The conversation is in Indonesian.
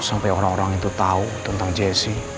sampai orang orang itu tau tentang jessy